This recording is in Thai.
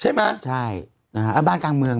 ใช่ไหมใช่นะฮะบ้านกลางเมือง